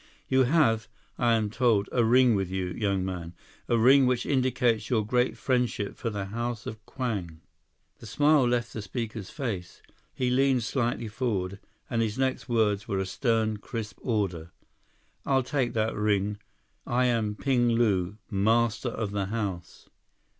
"You have, I am told, a ring with you, young man. A ring which indicates your great friendship for the House of Kwang." The smile left the speaker's face. He leaned slightly forward, and his next words were a stern, crisp order. "I'll take that ring. I am Ping Lu, master of the house."